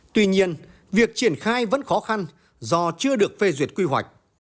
tuy nhiên việc triển khai vẫn khó khăn do chưa được phê duyệt quy hoạch